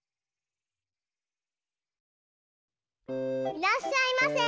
いらっしゃいませ！